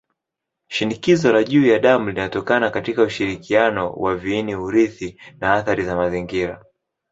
Shinikizo la juu la damu linatokana katika ushirikiano wa viini-urithi na athari za mazingira.